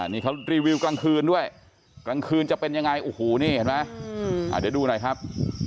นี่เขารีวิวกลางคืนด้วยกลางคืนจะเป็นยังไงโอ้โหนี่เห็นไหมเดี๋ยวดูหน่อยครับ